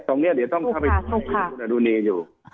ตรงนี้เดี๋ยวต้องเข้าไปดูดอดูนีอยู่